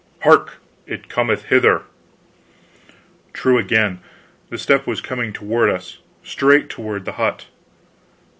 "Hark! It cometh hither." True again. The step was coming toward us straight toward the hut.